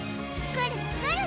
くるくる！